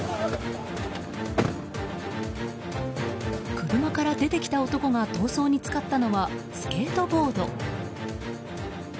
車から出てきた男が逃走に使ったのはスケートボード。